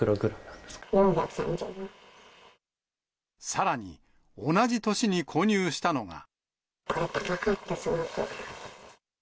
さらに、同じ年に購入したのが。